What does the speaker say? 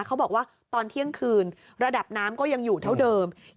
เขาบอกว่าตอนเที่ยงคืนระดับน้ำก็ยังอยู่เท่าเดิม